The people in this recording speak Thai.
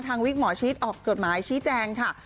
วิกหมอชิดออกจดหมายชี้แจงค่ะ